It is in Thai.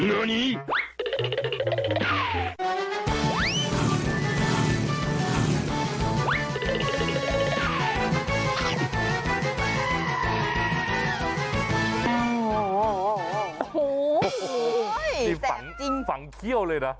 โอ้โหฟังเกี้ยวเลยนะ